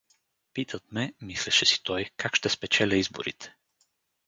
Питат ме — мислеше си той — как ще спечеля изборите.